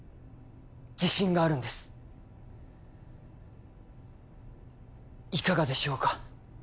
自信があるんですいかがでしょうか？